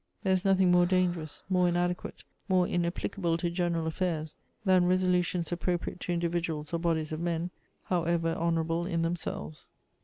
There is nothing more dangerous, more inadequate, more inapplicable to general affairs than resolutions appropriate to individuals or bodies of men, however honourable in themselves.